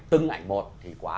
từng ảnh một thì quá